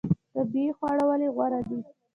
طبیعي خواړه ولې غوره دي؟